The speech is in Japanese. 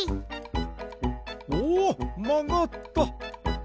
おおまがった。